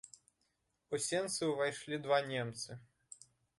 У сенцы ўвайшлі два немцы.